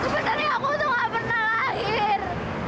sebenarnya aku tuh gak pernah lahir